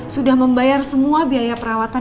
sudah membayar semua biaya perawatan